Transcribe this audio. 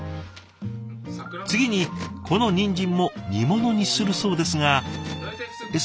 次にこのニンジンも煮物にするそうですがえっ